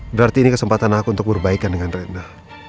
berarti ini kesempatan aku untuk berbaikan dengan retna